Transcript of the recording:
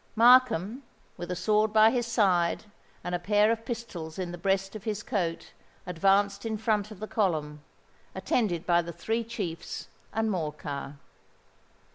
Markham, with a sword by his side and a pair of pistols in the breast of his coat, advanced in front of the column, attended by the three chiefs and Morcar.